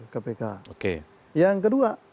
kpk yang kedua